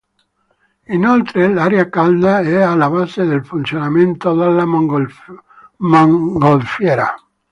Inoltre l'aria calda è alla base del funzionamento della mongolfiera.